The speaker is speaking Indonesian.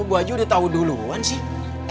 buah haji udah tau duluan sih